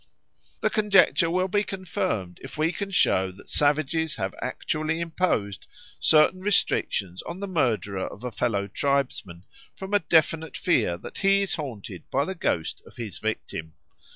The conjecture will be confirmed if we can show that savages have actually imposed certain restrictions on the murderer of a fellow tribesman from a definite fear that he is haunted by the ghost of his victim.